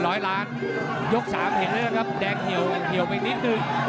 ร้อยล้านยกสามเห็นเลยนะครับแดงเหี่ยวเหี่ยวไปนิดหนึ่ง